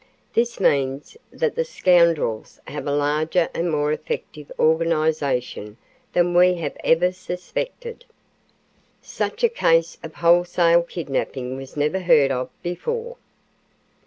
This means that the scoundrels have a larger and more effective organization than we have ever suspected. Such a case of wholesale kidnapping was never heard of before."